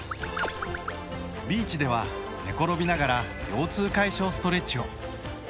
ビーチでは寝転びながら腰痛解消ストレッチを。